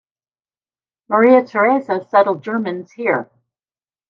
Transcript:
Maria Theresa settled Germans here.